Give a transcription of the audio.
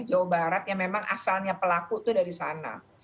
jawa barat yang memang asalnya pelaku itu dari sana